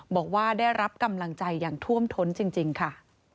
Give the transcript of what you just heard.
บอกว่าได้รับกำลังใจอย่างท่วมท้นจริงค่ะ